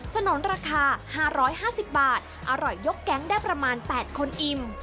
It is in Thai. สนอนราคาห้าร้อยห้าสิบบาทอร่อยยกแก๊งได้ประมาณแปดคนอิ่ม